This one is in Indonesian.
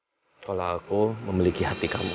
aku bisa cemburu sekarang aku tahu kalau aku memiliki hati kamu